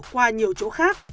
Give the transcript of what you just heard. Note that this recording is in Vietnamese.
qua nhiều chỗ khác